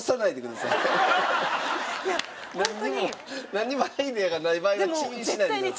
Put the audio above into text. なんにもアイデアがない場合はチンしないでください。